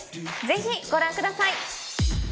ぜひご覧ください。